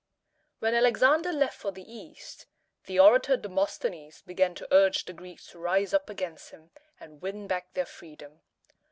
When Alexander left for the East, the orator Demosthenes began to urge the Greeks to rise up against him, and win back their freedom.